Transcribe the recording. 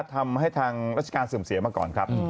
ทางราชการเสื่อมเสียมาก่อนครับ